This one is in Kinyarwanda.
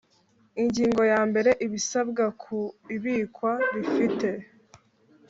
Ingingo yambere Ibisabwa ku ibikwa rifite